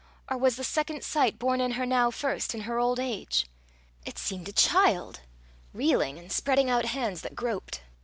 or was the second sight born in her now first in her old age? It seemed a child reeling, and spreading out hands that groped.